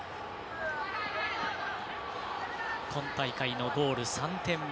今大会のゴール３点目。